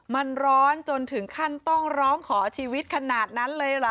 มันร้อนจนถึงขั้นต้องร้องขอชีวิตขนาดนั้นเลยเหรอ